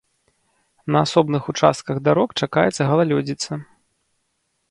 На асобных участках дарог чакаецца галалёдзіца.